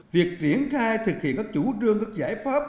việc triển khai thực hiện các chủ trương các giải pháp